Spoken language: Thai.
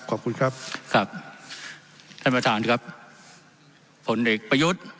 ขอบคุณครับครับท่านประธานครับผลเอกประยุทธ์